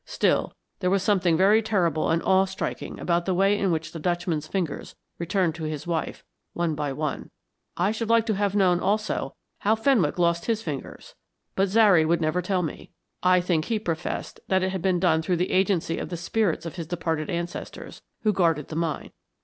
Still, there was something very terrible and awe striking about the way in which the Dutchman's fingers returned to his wife, one by one. I should like to have known, also, how Fenwick lost his fingers. But Zary would never tell me. I think he professed that it had been done through the agency of the spirits of his departed ancestors, who guarded the mine.